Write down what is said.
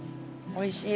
おいしい？